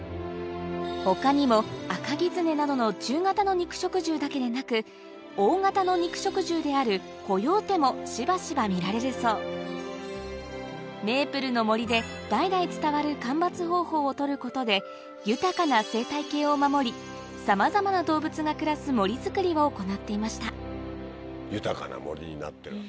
他にもアカギツネなどの中型の肉食獣だけでなく大型の肉食獣であるコヨーテもしばしば見られるそうメープルの森でをとることで豊かな生態系を守りさまざまな動物が暮らす森作りを行っていました豊かな森になってるわけね。